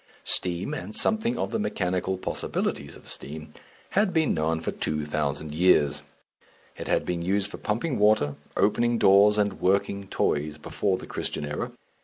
Steam, and something of the mechanical possibilities of steam, had been known for two thousand years; it had been used for pumping water, opening doors, and working toys, before the Christian era.